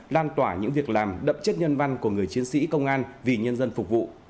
lan tỏa những việc làm đậm chất nhân văn của người chiến sĩ công an vì nhân dân phục vụ